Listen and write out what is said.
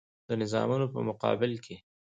د نظامونو په مقابل کې.